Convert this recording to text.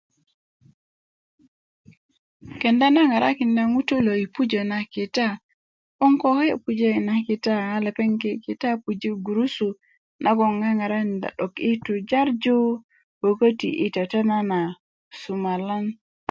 kenda na ŋarakind ŋutu lo yi pujö na kita 'boŋ ko ke' pujö yina kita a lepeŋ a kikita a puji' gurusu nagoŋ ŋaŋarakinda 'dok yi tujarju ko köti' yi tetena na sumalan